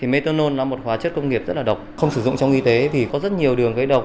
methanol là một hóa chất công nghiệp rất là độc không sử dụng trong y tế vì có rất nhiều đường gây độc